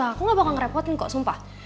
aku gak bakal ngerepotin kok sumpah